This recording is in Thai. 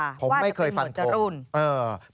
ว่าจะเป็นเหมือนจะรุ่นผมไม่เคยฟันตก